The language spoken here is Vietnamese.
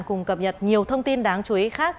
cùng cập nhật nhiều thông tin đáng chú ý khác